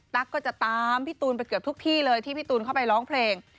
ก็จะตามพี่ตูนไปเกือบทุกที่เลยที่พี่ตูนเข้าไปร้องเพลง